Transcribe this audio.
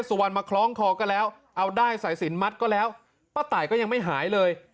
สุวรรณมาคล้องคอก็แล้วเอาได้สายสินมัดก็แล้วป้าตายก็ยังไม่หายเลย